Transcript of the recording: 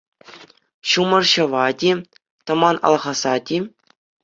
Ҫумӑр ҫӑвать-и, тӑман алхасать-и...